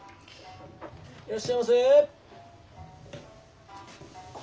いらっしゃいませ。